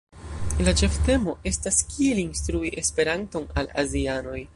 La ĉeftemo estas kiel instrui Esperanton al azianoj.